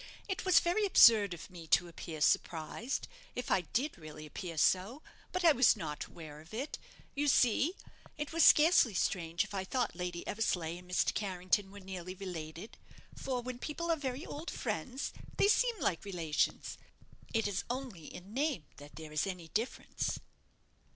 It was very absurd of me to appear surprised, if I did really appear so; but I was not aware of it. You see, it was scarcely strange if I thought Lady Eversleigh and Mr. Carrington were nearly related; for, when people are very old friends, they seem like relations: it is only in name that there is any difference."